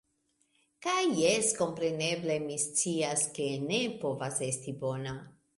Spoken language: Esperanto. Kaj jes, kompreneble, mi scias, ke ne povas esti bona.